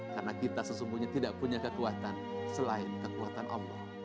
karena kita sesungguhnya tidak punya kekuatan selain kekuatan allah